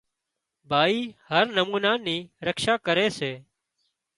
ڀائي هر نمونا نِي رکشا ڪري سي